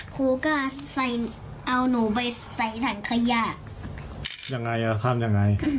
ครูก็ใส่เอาหนูไปใส่ถังขยะยังไงอ่ะทำยังไง